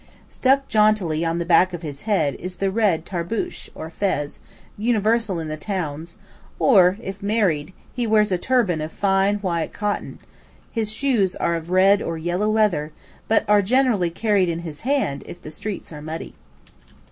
Stuck jauntily on the back of his head is the red "tarbūsh," or fez, universal in the towns, or, if married, he wears a turban of fine white cotton; his shoes are of red or yellow leather, but are generally carried in his hand if the streets are muddy.